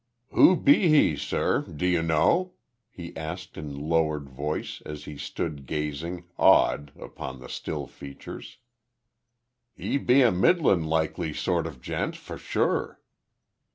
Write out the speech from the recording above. "Who be he, sur, do you know?" he asked in lowered voice, as he stood gazing, awed, upon the still features. "'E be a middlin' likely sort of gent, for sure."